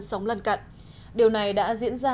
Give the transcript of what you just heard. sống lần cận điều này đã diễn ra